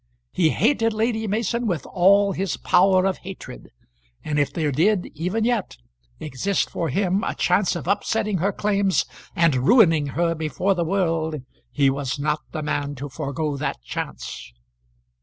He hated Lady Mason with all his power of hatred, and if there did, even yet, exist for him a chance of upsetting her claims and ruining her before the world, he was not the man to forego that chance.